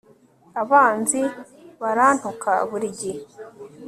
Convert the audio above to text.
abanzi barantuka buri gihe